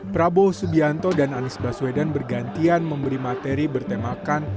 prabowo subianto dan anies baswedan bergantian memberi materi bertemakan